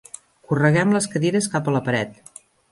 Correguem les cadires cap a la paret.